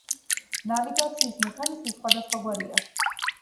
ნავიგაციის მექანიზმი სხვადასხვაგვარია.